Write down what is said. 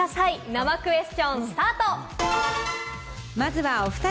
生クエスチョン、スタート！